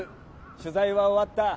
取材は終わった。